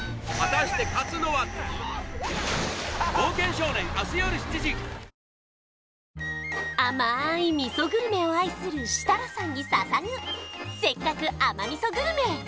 グルメがオンパレード甘い味噌グルメを愛する設楽さんにささぐせっかく甘味噌グルメ